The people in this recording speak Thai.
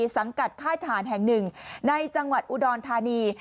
สังกัดค่ายทหารแห่งหนึ่งในจังหวัดอุดรธานี